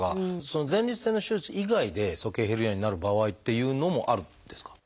前立腺の手術以外で鼠径ヘルニアになる場合っていうのもあるんですか？